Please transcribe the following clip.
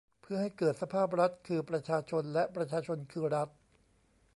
เพื่อให้เกิดสภาพรัฐคือประชาชน และ ประชาชนคือรัฐ